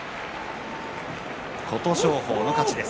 琴勝峰の勝ちです。